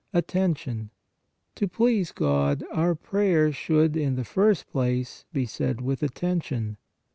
ATTENTION. To please God our prayer should, in the first place, be said with attention.